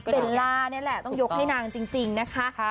ล่านี่แหละต้องยกให้นางจริงนะคะ